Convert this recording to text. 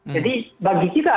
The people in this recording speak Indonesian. jadi bagi kita